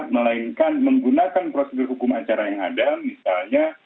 melainkan menggunakan prosedur hukum acara yang ada misalnya